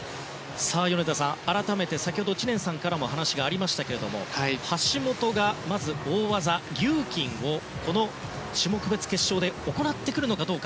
米田さん、改めて先ほど、知念さんからも話がありましたけれども橋本がまず大技リューキンをこの種目別決勝で行ってくるのかどうか。